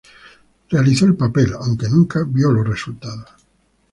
Él realizó el papel, aunque nunca vio los resultados.